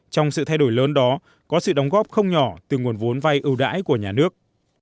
trong sự thay đổi lớn đó có sự đóng góp không nhỏ từ nguồn vốn vay ưu đãi của nhà nước